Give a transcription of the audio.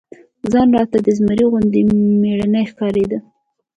ځان راته د زمري غوندي مېړنى ښکارېده.